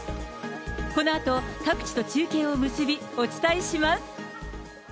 このあと、各地と中継を結び、お伝えします。